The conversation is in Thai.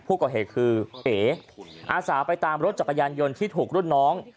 ผู้ก่อเหตุคือเอ๋อาสาไปตามรถจักรยานยนต์ที่ถูกรุ่นน้อง